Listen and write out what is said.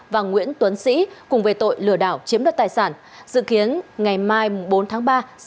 và nguyễn tuấn sĩ cùng về tội lừa đảo chiếm đoạt tài sản